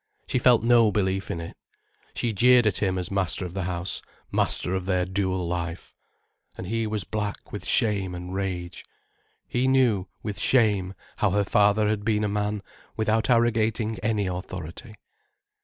She felt no belief in it. She jeered at him as master of the house, master of their dual life. And he was black with shame and rage. He knew, with shame, how her father had been a man without arrogating any authority.